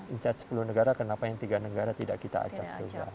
inset sepuluh negara kenapa yang tiga negara tidak kita acak juga